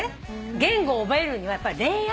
言語を覚えるにはやっぱり恋愛。